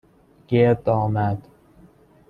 گرد آمد